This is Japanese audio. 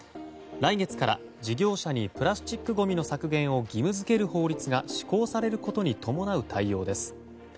来月から事業者にプラスチックごみの削減を義務付ける法律が施行されることに伴う対応です。